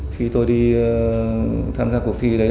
khi tôi đi tham gia cuộc thi đấy